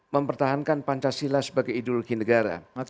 mempertahankan pancasila sebagai ideologi negara